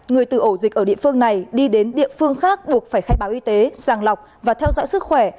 người từ ổ dịch ở địa phương này đi đến địa phương khác buộc phải khai báo y tế sàng lọc và theo dõi sức khỏe